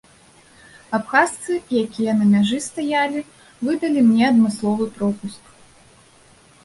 Абхазцы, якія на мяжы стаялі, выдалі мне адмысловы пропуск.